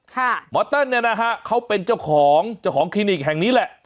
หมอเติ้ลเนี่ยนะฮะเขาเป็นเจ้าของเจ้าของคลินิกแห่งนี้แหละ